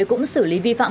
cũng xử lý vi phạm